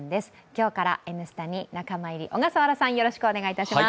今日から「Ｎスタ」に仲間入り、小笠原さん、よろしくお願いします